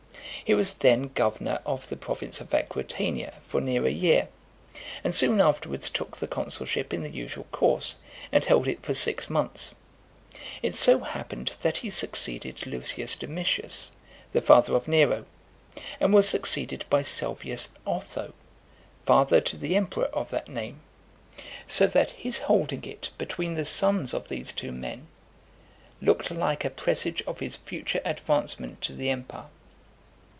He was then governor of the province of Aquitania for near a year, and soon afterwards took the consulship in the usual course, and held it for six months . It so happened that he succeeded L. Domitius, the father of Nero, and was succeeded by Salvius Otho, father to the emperor of that name; so that his holding it between the sons of these two men, looked like a presage of his future advancement to the empire.